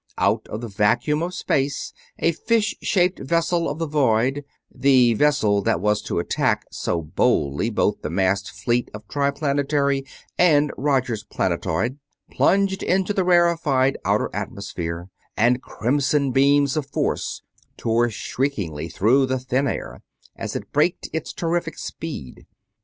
Out of the vacuum of space a fish shaped vessel of the void the vessel that was to attack so boldly both the massed fleet of Triplanetary and Roger's planetoid plunged into the rarefied outer atmosphere, and crimson beams of force tore shriekingly through the thin air as it braked its terrific speed.